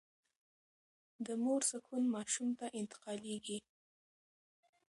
د مور سکون ماشوم ته انتقالېږي.